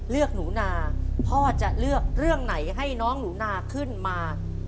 หนูนาพ่อจะเลือกเรื่องไหนให้น้องหนูนาขึ้นมา